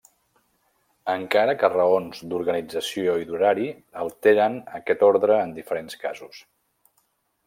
Encara que raons d'organització i d'horari alteren aquest ordre en diferents casos.